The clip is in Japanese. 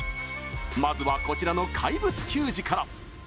まずはこちらの怪物球児から。